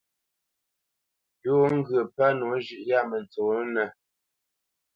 Pʉ̌ wo ŋgyə̌ pə́ nǒ zhʉ̌ʼ yâ mə ntsonə́nə̄,